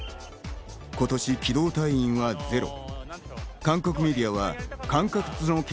今年、機動隊員はゼロ。